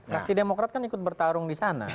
fraksi demokrat kan ikut bertarung di sana